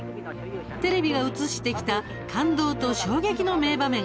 テレビが映してきた感動と衝撃の名場面